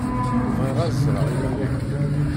Bɣiɣ ad ẓreɣ imal-iw.